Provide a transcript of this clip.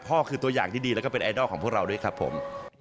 ตัวคือตัวอย่างที่ดีแล้วก็เป็นไอดอลของพวกเราด้วยครับผม